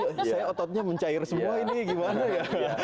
saya ototnya mencair semua ini gimana ya